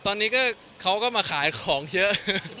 ตอนนี้เขาก็มาขายของเยอะ